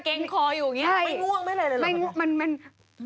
มันเกรงคออยู่อย่างนี้ไม่ง่วงไม่อะไรหรือหรือ